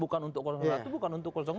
bukan untuk satu bukan untuk dua